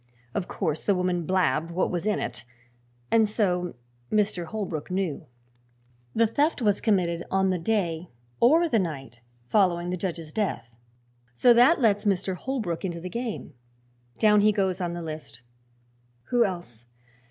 Of course the woman blabbed what was in it, and so Mr. Holbrook knew. The theft was committed on the day or the night following the judge's death, so that lets Mr. Holbrook into the game. Down he goes on the list. Who else?